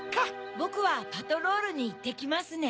ぼくはパトロールにいってきますね。